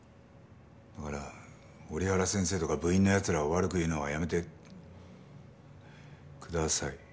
だから折原先生とか部員の奴らを悪く言うのはやめてください。